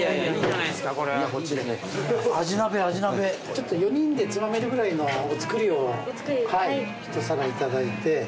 ちょっと４人でつまめるぐらいのお造りをはい一皿頂いて。